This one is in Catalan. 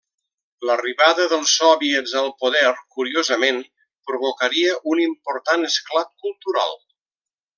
L'arribada dels soviets al poder, curiosament, provocaria un important esclat cultural.